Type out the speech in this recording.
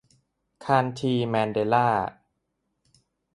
คานธี แมนเดลลา